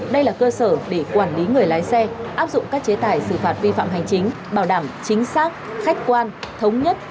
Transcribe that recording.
đây là cơ sở để quản lý người lái xe áp dụng các chế tài xử phạt vi phạm hành chính bảo đảm chính xác khách quan thống nhất